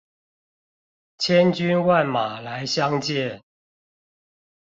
千軍萬馬來相見